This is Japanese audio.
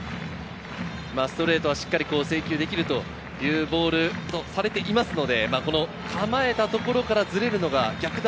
ストレートはしっかり制球できるというボールとされていますので、構えたところからずれるのが逆球。